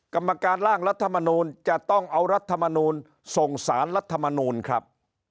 กรรมการร่างรัฐมนูลจะต้องเอารัฐมนูลส่งสารรัฐมนูลครับ